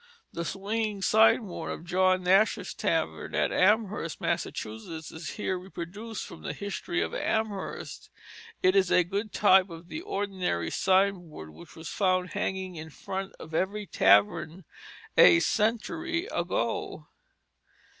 The swinging sign board of John Nash's Tavern at Amherst, Massachusetts, is here reproduced from the History of Amherst. It is a good type of the ordinary sign board which was found hanging in front of every tavern a century ago.